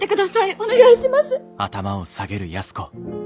お願いします。